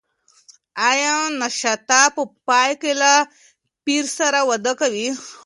ایا ناتاشا په پای کې له پییر سره واده کوي؟